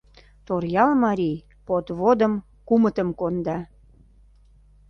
Торъял марий подводым кумытым конда.